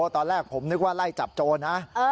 ตอนแรกผมนึกว่าไล่จับโจรนะ